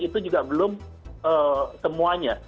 itu juga belum semuanya